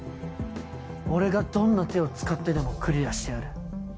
俺がどんな手を使ってでもクリアしてやる。